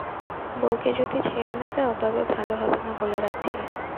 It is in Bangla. বউকে যদি ছেড়ে না দাও তবে ভালো হবে না, বলে রাখছি।